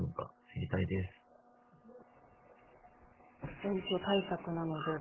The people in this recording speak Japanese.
選挙対策なのでは？